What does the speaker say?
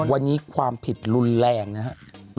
วันนี้ความผิดรุนแรงนะครับ